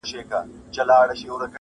که په سينه کـې مې شيشه ماته شوه